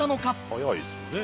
早いですもんね。